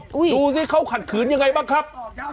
ดูสิเขาขัดขืนยังไงบ้างครับ